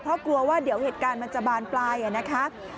เพราะกลัวว่าเดี๋ยวเหตุการณ์มันจะบานปลายนะคะ